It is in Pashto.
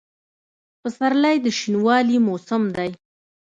پسرلی د شنوالي موسم دی.